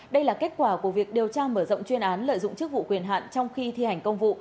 đây là kết quả của việc điều tra mở rộng chuyên án lợi dụng chức vụ quyền hạn trong khi thi hành công vụ